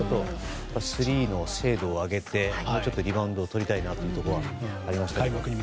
スリーの精度を上げてもうちょっとリバウンドをとりたいなと思うところはありました。